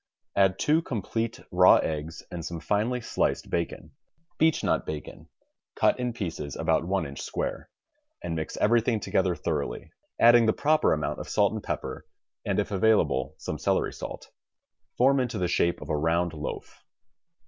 Add two complete raw eggs and some finely sliced bacon (Beechnut bacon, cut in pieces about I inch square) and mix every thing together thoroughly, adding the proper amount of salt and pepper and if available some celery salt. Form into the shape of a round loaf.